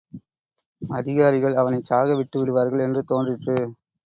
அதிகாரிகள் அவனைச்சாகவிட்டு விடுவார்கள் என்று தோன்றிற்று.